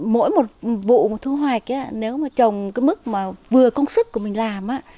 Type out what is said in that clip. mỗi một vụ thu hoạch nếu mà trồng cái mức mà vừa công sức của mình làm